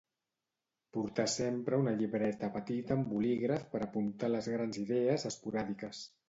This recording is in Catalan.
Portar sempre una llibreta petita amb bolígraf per apuntar les grans idees esporàdiques